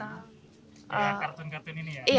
kartun kartun ini ya